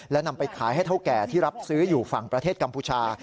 และนำไปขายให้เท่าแก่ที่รับซื้ออยู่ฝั่งประเทศกัมพูชา